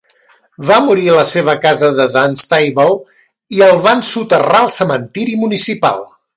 Va morir a la seva casa de Dunstable, i el van soterrar al cementiri municipal.